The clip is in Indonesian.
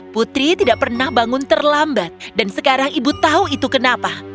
putri tidak pernah bangun terlambat dan sekarang ibu tahu itu kenapa